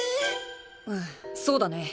うんそうだね。